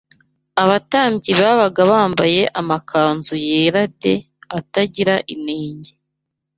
abatambyi babaga bambaye amakanzu yera de, atagira inenge.